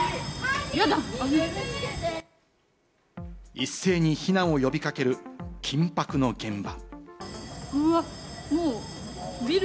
一斉に避難を呼び掛ける緊迫の現場。